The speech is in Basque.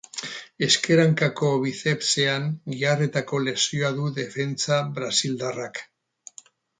Ezker hankako bizepsean giharretako lesioa du defentsa brasildarrak.